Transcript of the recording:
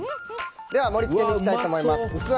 盛り付けに行きたいと思います。